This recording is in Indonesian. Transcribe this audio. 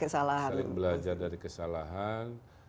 saling belajar dari kesalahan